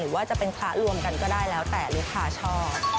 ว่าจะเป็นพระรวมกันก็ได้แล้วแต่ลูกค้าชอบ